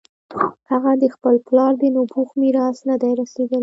هغه د خپل پلار د نبوغ میراث نه دی رسېدلی.